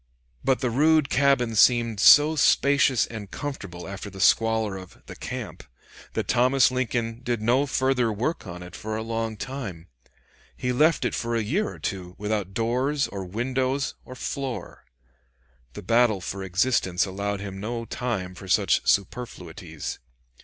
But the rude cabin seemed so spacious and comfortable after the squalor of "the camp," that Thomas Lincoln did no further work on it for a long time. He left it for a year or two without doors, or windows, or floor. The battle for existence allowed him no time for such superfluities.